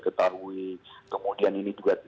ketahui kemudian ini juga